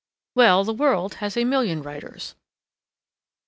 Well, the world has a million writers.